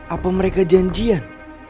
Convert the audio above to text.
apa mereka janjian